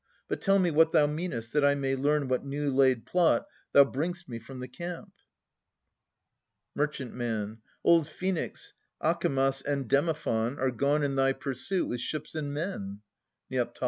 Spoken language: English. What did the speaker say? But tell me what thou meanest, that I may learn What new laid plot thou bring'st me from the camp. Mer. Old Phoenix, Acamas and Demophon Are gone in thy pursuit with ships and men. Neo.